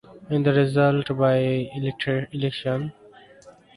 In the resulting by-election, Sherwood again stood for election and was successful.